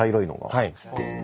はい。